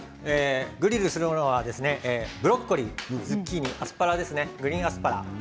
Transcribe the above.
グリルするものはブロッコリー、ズッキーニグリーンアスパラです。